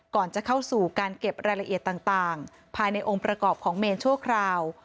ก่อนจะเข้าสู่การเก็บรายละเอียดต่างภายในองค์ประกอบของเมนชั่วคราว